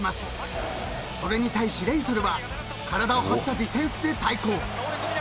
［それに対しレイソルは体を張ったディフェンスで対抗］